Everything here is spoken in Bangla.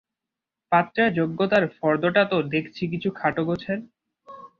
পাত্রের যোগ্যতার ফর্দটা তো দেখছি কিছু খাটো গোছের।